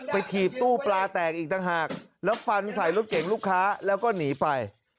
ถีบตู้ปลาแตกอีกต่างหากแล้วฟันใส่รถเก่งลูกค้าแล้วก็หนีไป